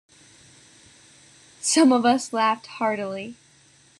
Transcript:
Some of us laughed heartily.